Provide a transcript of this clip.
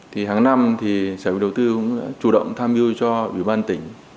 thì hàng năm thì sở quy đầu tư cũng đã chủ động tham yêu cho ủy ban tỉnh